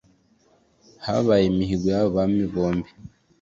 habaye imihigo y’abo bami bombi